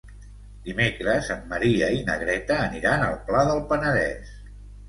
Dimecres en Maria i na Greta aniran al Pla del Penedès.